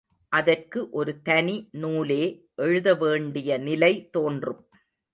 அதற்கு ஒரு தனி நூலே எழுத வேண்டிய நிலை தோன்றும்.